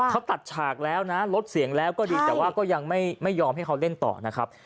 เขาตัดฉากแล้วนะลดเสียงแล้วก็ดีแต่ว่าก็ยังไม่ยอมให้เขาเล่นต่อนะครับ